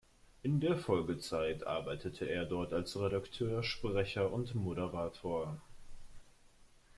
In der Folgezeit arbeitete er dort als Redakteur, Sprecher und Moderator.